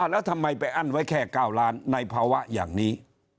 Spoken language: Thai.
แล้วทำไมไปอั้นไว้แค่๙ล้านในภาวะอย่างนี้